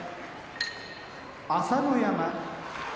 朝乃山